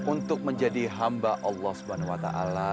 untuk menjadi hamba allah swt